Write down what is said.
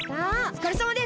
おつかれさまです！